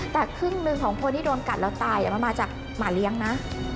แต่ครึ่งหนึ่งของคนที่โดนกัดแล้วตายมันมาจากหมาเลี้ยงนะ